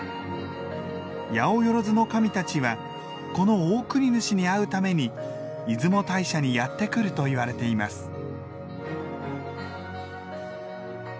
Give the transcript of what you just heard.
八百万の神たちはこのオオクニヌシに会うために出雲大社にやって来るといわれています。